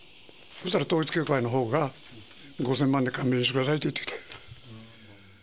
そうしたら、統一教会のほうが５０００万で勘弁してくださいと言ってきた。